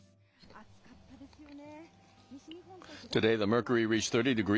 暑かったですよね。